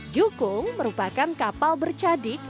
jukung merupakan kapal bercadik